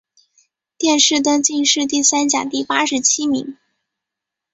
殿试登进士第三甲第八十七名。